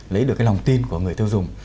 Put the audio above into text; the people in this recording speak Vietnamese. lấy được cái lòng tin của người tiêu dùng